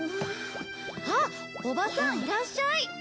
あっおばさんいらっしゃい！